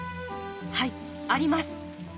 はいあります。